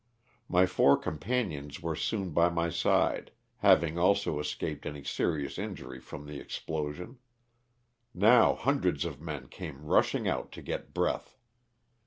My four com panions were soon by my side, having also escaped any serious injury from the explosion. Now hundreds of men came rushing out to get breath.